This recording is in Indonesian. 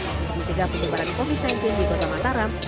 untuk mencegah penyebaran covid sembilan belas di kota mataram